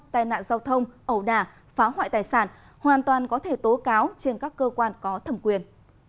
tai nạn giao thông ẩu đà phá hoại tài sản hoàn toàn có thể tố cáo trên các cơ quan có thẩm quyền